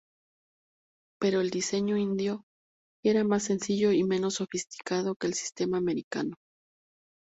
Pero el diseño indio era más sencillo y menos sofisticado que el sistema americano.